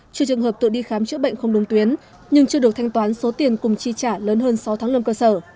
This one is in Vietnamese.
trừ trường hợp tự đi khám chữa bệnh không đúng tuyến nhưng chưa được thanh toán số tiền cùng chi trả lớn hơn sáu tháng lương cơ sở